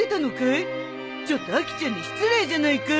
ちょっとアキちゃんに失礼じゃないか。